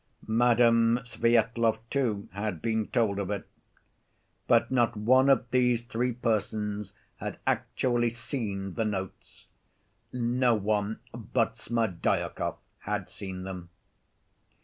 Madame Svyetlov, too, had been told of it. But not one of these three persons had actually seen the notes, no one but Smerdyakov had seen them.